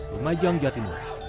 di majang jatimu